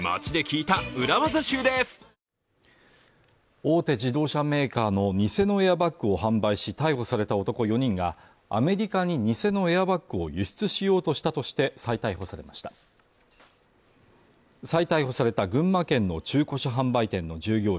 大手自動車メーカーの偽のエアバッグを販売し逮捕された男４人がアメリカに偽のエアバッグを輸出しようとしたとして再逮捕されました再逮捕された群馬県の中古車販売店の従業員